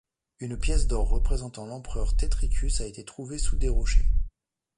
Une pièce d'or représentant l'empereur Tetricus a été trouvée sous des rochers.